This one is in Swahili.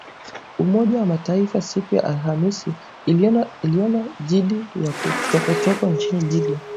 Umoja wa Mataifa siku ya Alhamisi ulionya dhidi ya chokochoko nchini Libya